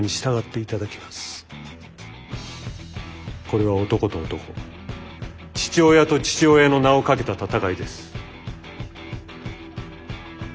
これは男と男父親と父親の名をかけた戦いです。